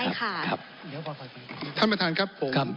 ท่านประธานครับผมขออนุญาตผันทั้งคราบ